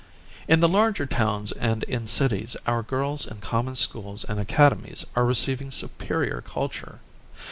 In the larger towns and in cities our girls in common schools and academies are receiving superior culture.